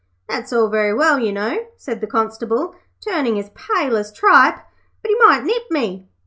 'That's all very well, you know,' said the Constable, turning as pale as tripe; 'but he might nip me.'